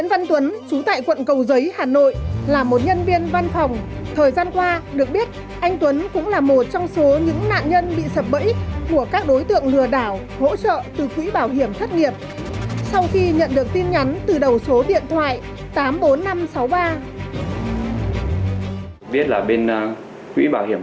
anh nguyễn văn tuấn